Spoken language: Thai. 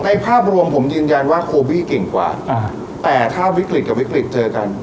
ภาพรวมผมยืนยันว่าโคบี้เก่งกว่าอ่าแต่ถ้าวิกฤตกับวิกฤตเจอกัน